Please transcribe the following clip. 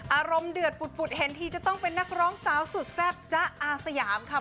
อารมณ์เดือดปุดเห็นทีจะต้องเป็นนักร้องสาวสุดแซ่บจ๊ะอาสยามค่ะ